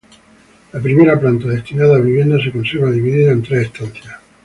La primera planta, destinada a vivienda, se conserva dividida en tres estancias.